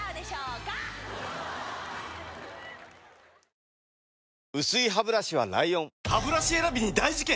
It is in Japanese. さらにこの後東野も薄いハブラシは ＬＩＯＮハブラシ選びに大事件！